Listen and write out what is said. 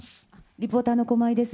リポーターの駒井です。